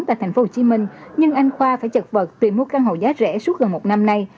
tại tp hcm nhưng anh khoa phải chật vật tìm mua căn hộ giá rẻ suốt gần một năm nay